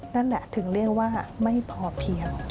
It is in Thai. นั่นแหละถึงเรียกว่าไม่พอเพียง